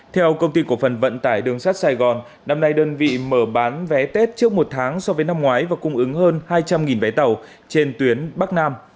theo công ty cổ phần vận tải đường sắt sài gòn năm nay đơn vị mở bán vé tết trước một tháng so với năm ngoái và cung ứng hơn hai trăm linh vé tàu trên tuyến bắc nam